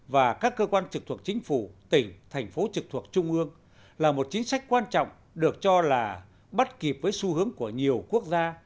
và các cơ quan trực thuộc chính phủ tỉnh thành phố trực thuộc trung ương là một chính sách quan trọng được cho là bắt kịp với xu hướng của nhiều quốc gia